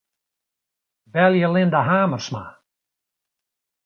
Belje Linda Hamersma.